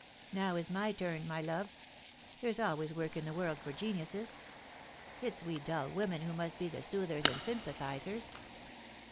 Now is my turn, my love. There's always work in the world for geniuses. It's we dull women who must be the soothers and sympathisers.